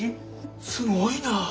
すごいな！